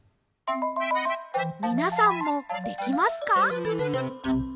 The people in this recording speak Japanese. みなさんもできますか？